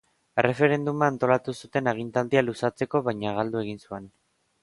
Erreferenduma antolatu zuen agintaldia luzatzeko baina galdu egin zuen.